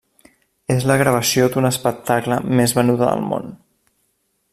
És la gravació d'un espectacle més venuda al món.